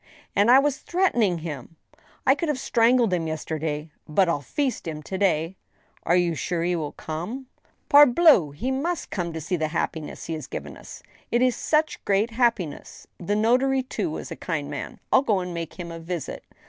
And I was threaten ing him !... I could have strangled him yesterday, ,.. but I'll feast him to day !"" Are you sure he will come ?" 86 THE STEEL HAMMER, Parbleu ! he must come to see the happiness he has given us. It is such great happiness ! The notary, too, was a kind man. I'll go and make him a visit.